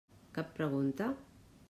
Cap pregunta?